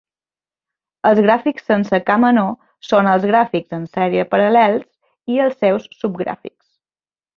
Els gràfics sense "K" menor són els gràfics en sèrie-paral·lels i els seus subgràfics.